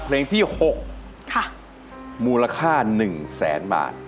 เพลงที่๖มูลค่า๑แสนบาท